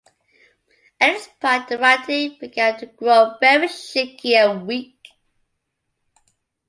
At this point the writing began to grow very shaky and weak.